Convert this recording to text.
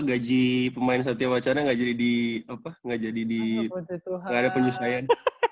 gaji pemain satya wacara nggak jadi di apa nggak jadi di nggak ada penyusahayaan